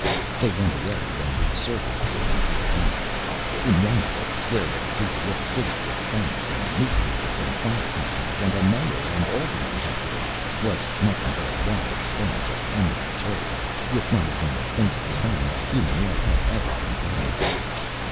They went away when the surface diggings gave out. In one place, where a busy little city with banks and newspapers and fire companies and a mayor and aldermen had been, was nothing but a wide expanse of emerald turf, with not even the faintest sign that human life had ever been present there.